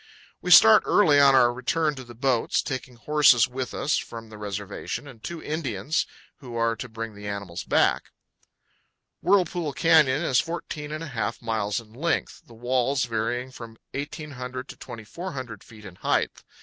We start early on our return to the boats, taking horses with us from the reservation, and two Indians, who are to bring the animals back. Whirlpool Canyon is 14 1/4 miles in length, the walls varying from 1,800 to 2,400 feet in height.